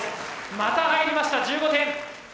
また入りました１５点。